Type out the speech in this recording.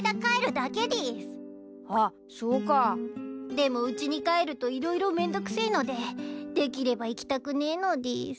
でもうちに帰ると色々めんどくせいのでできれば行きたくねいのでぃす。